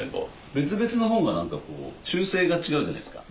別々の方が何かこう習性が違うじゃないですか。